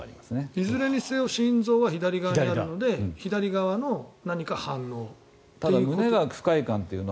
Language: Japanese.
いずれにせよ心臓は左側にあるので左側の何か反応ということ？